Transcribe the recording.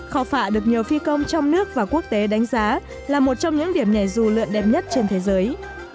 khao phạ được nhiều phi công trong nước và quốc tế đánh giá là một trong những điểm nhảy dù lượn đẹp nhất trên thế giới